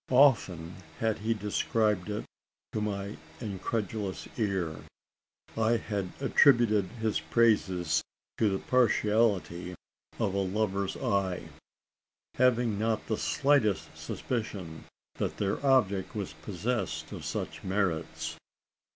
Often had he described it to my incredulous ear. I had attributed his praises to the partiality of a lover's eye having not the slightest suspicion that their object was possessed of such merits.